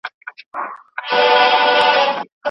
که تعلیم ژوره مطالعه وهڅوي، پوهه کمزورې نه کېږي.